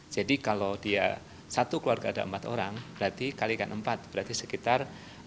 jadi kalau satu keluarga ada empat orang berarti dikalikan empat berarti sekitar dua enam puluh